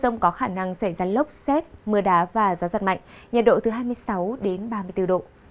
nhiệt độ từ hai mươi sáu đến ba mươi bốn độ